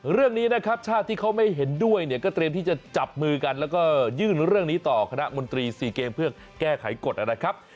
เรื่องนี้นะครับชาติที่เขาไม่เห็นด้วยเนี่ยก็เตรียมที่จะจับมือกันแล้วก็ยื่นเรื่องนี้ต่อคณะมนตรี๔เกมเพื่อแก้ไขกฎนะครับ